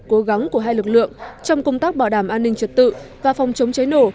cố gắng của hai lực lượng trong công tác bảo đảm an ninh trật tự và phòng chống cháy nổ